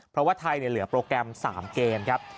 เพราะว่าไทยเหลือโปรแกรม๓เกมครับ